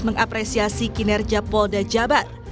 mengapresiasi kinerja polda jabar